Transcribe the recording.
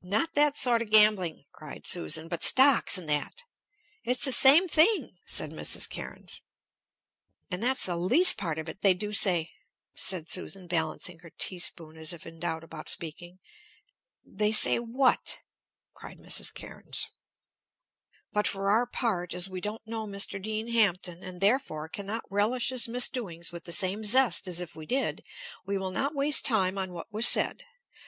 "Not that sort of gambling!" cried Susan. "But stocks and that." "It's the same thing," said Mrs. Cairnes. "And that's the least part of it! They do say" said Susan, balancing her teaspoon as if in doubt about speaking. "They say what?" cried Mrs. Cairnes. But for our part, as we don't know Mr. Dean Hampton, and, therefore, can not relish his misdoings with the same zest as if we did, we will not waste time on what was said.